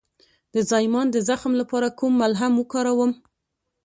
د زایمان د زخم لپاره کوم ملهم وکاروم؟